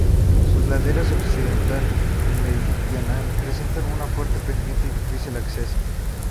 Sus laderas occidental y meridional presentan una fuerte pendiente y difícil acceso.